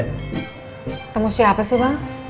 ketemu siapa sih bang